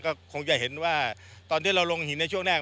ก็คงจะเห็นว่าตอนที่เราลงหินในช่วงแรก